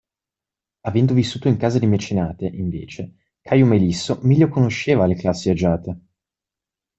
Avendo vissuto in casa di Mecenate, invece, Caio Melisso meglio conosceva le classi agiate.